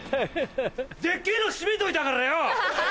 でっけぇのシメといたからよぉ。